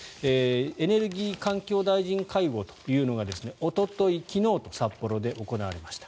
エネルギー環境大臣会合というのがおととい、昨日と札幌で行われました。